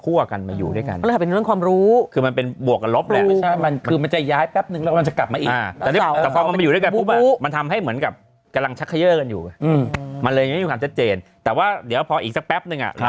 วันพรุ่งนี้ค่ะ